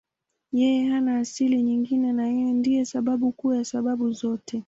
Yeye hana asili nyingine na Yeye ndiye sababu kuu ya sababu zote.